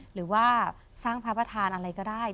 หรือว่าสร้างพระประธานอะไรก็ได้